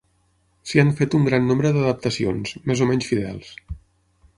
S'hi han fet un gran nombre d'adaptacions, més o menys fidels.